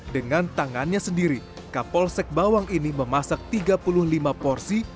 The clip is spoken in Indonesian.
dengan tangannya sendiri kapolsek bawang ini memasak tiga puluh lima porsi